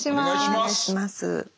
お願いします。